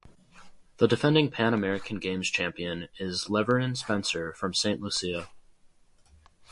The defending Pan American Games champion is Levern Spencer from Saint Lucia.